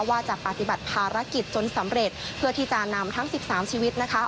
ว่าจะปฏิบัติภารกิจจนสำเร็จเพื่อที่จะนำทั้ง๑๓ชีวิตนะคะ